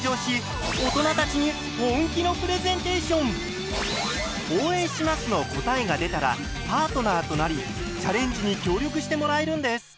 番組では「応援します」の答えが出たらパートナーとなりチャレンジに協力してもらえるんです。